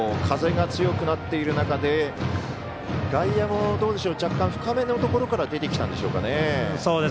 風が強くなっている中で外野も若干、深めのところから出てきたんでしょうかね。